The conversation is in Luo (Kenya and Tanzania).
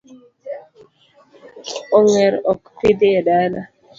Ong'er ok pidhi e dala.